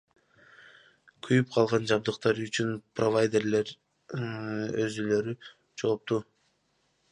Күйүп калган жабдыктар үчүн провайдерлер өзүлөрү жоопту.